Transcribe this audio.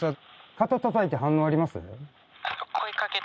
肩たたいて反応あります？